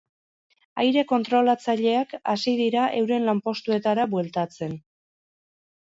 Aire-kontrolatzaileak hasi dira euren lanpostuetara bueltatzen.